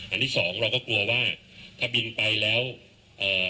อันที่สองเราก็กลัวว่าถ้าบินไปแล้วเอ่อ